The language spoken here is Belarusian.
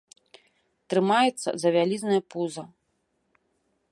Трымаецца за вялізнае пуза.